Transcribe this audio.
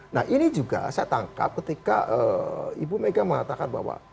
nah ini juga saya tangkap ketika ibu mega mengatakan bahwa